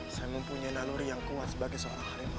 saya mempunyai naluri yang kuat sebagai seorang harimau